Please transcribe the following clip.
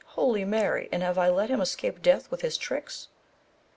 — Holy Mary, and have I let liim escape death with his tricks